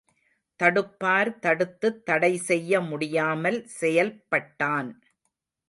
தடுப்பார் தடுத்துத் தடை செய்ய முடியாமல் செயல்பட்டான்.